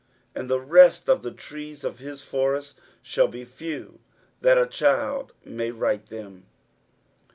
23:010:019 And the rest of the trees of his forest shall be few, that a child may write them.